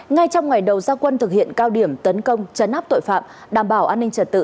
ngay trong ngày đầu gia quân thực hiện cao điểm tấn công chấn áp tội phạm đảm bảo an ninh trật tự